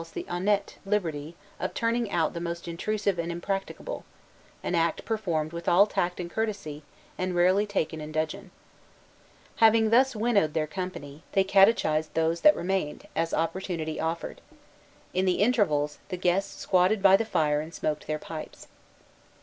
As many of these proved intolerable nuisances, they took what Lalemant calls the honnête liberty of turning out the most intrusive and impracticable, an act performed with all tact and courtesy, and rarely taken in dudgeon. Having thus winnowed their company, they catechized those that remained, as opportunity offered. In the intervals, the guests squatted by the fire and smoked their pipes.